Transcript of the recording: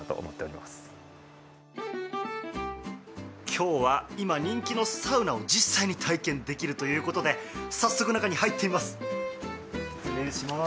今日は今、人気のサウナを実際に体験できるということで早速、中に入ってみます。